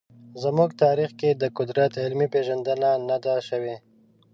زموږ تاریخ کې د قدرت علمي پېژندنه نه ده شوې.